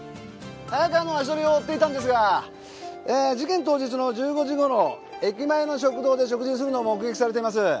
早川の足取りを追っていたんですが事件当日の１５時頃駅前の食堂で食事するのを目撃されています。